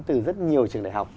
từ rất nhiều trường đại học